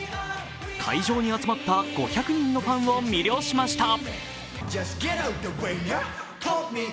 会場に集まった５００人のファンを魅了しました。